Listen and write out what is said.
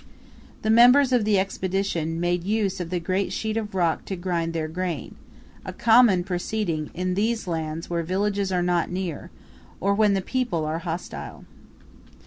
The members of the Expedition made use of the great sheet of rock to grind their grain; a common proceeding in these lands where villages are not near, or when the people are hostile.